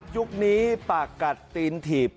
ยุคนี้ปากกัดตีนถีบ